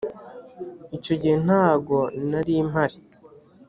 icyo gihe ntago narimpari.